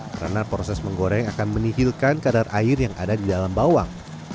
karena proses menggoreng akan menihilkan kadar air yang ada di dalam bawang